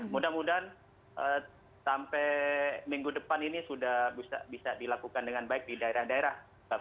mudah mudahan sampai minggu depan ini sudah bisa dilakukan dengan baik di daerah daerah